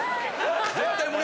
絶対。